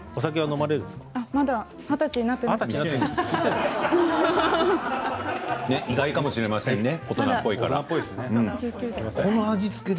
まだ二十歳になっていないので。